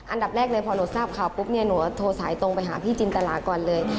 อันดับแรกเลยพอหนูทราบข่าวปุ๊บเนี่ยหนูโทรสายตรงไปหาพี่จินตราก่อนเลย